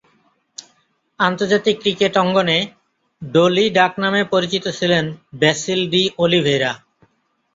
আন্তর্জাতিক ক্রিকেট অঙ্গনে ‘ডলি’ ডাকনামে পরিচিত ছিলেন ব্যাসিল ডি’অলিভেইরা।